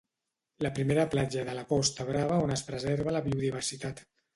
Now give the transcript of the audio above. La primera platja de la Costa Brava on es preserva la biodiversitat.